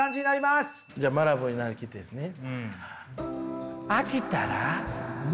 じゃあマラブーに成りきってですね。